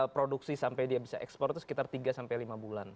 produksi sampai dia bisa ekspor itu sekitar tiga sampai lima bulan